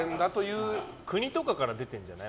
国とかから出てんじゃない？